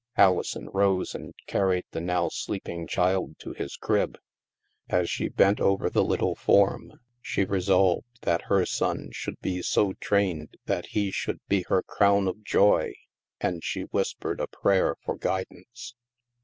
Alison rose and carried the now sleeping child to his crib. As she bent over the little form, she resolved that her son should be so trained that he should be her crown of joy, and she whispered a prayer for guidance.